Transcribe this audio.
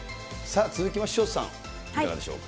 続きまして潮田さん、いかがでしょうか。